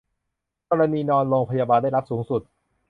กรณีนอนโรงพยาบาลได้รับสูงสุด